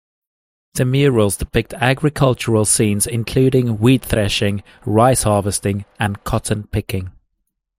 The murals depict agricultural scenes, including wheat-threshing, rice harvesting, and cotton picking.